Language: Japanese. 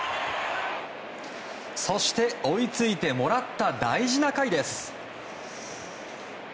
そして、追いついてもらった大事な回です。